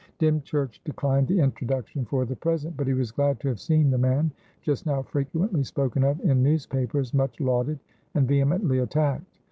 Dymchurch declined the introduction for the present, but he was glad to have seen the man, just now frequently spoken of in newspapers, much lauded, and vehemently attacked.